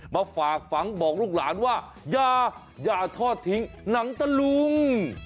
มาฝากฝังบอกลูกหลานว่าอย่าทอดทิ้งหนังตะลุง